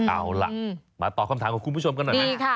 เอาล่ะมาตอบคำถามของคุณผู้ชมกันหน่อยไหม